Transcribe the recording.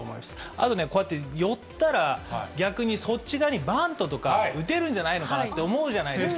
あとね、こうやって寄ったら逆にそっち側にバントとか、打てるんじゃないかなと思うじゃないですか。